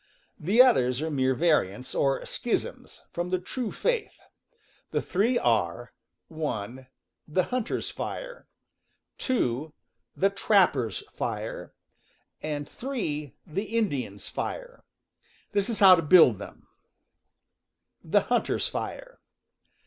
The others are mere variants, or schisms, from the true faith. The three are: (1) the hunter's fire; (2) the trapper's fire; (3) the Indian's fire. This is how to build them: The Hunter s Fire.